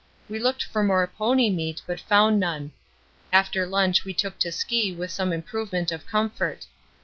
We looked for more pony meat, but found none. After lunch we took to ski with some improvement of comfort.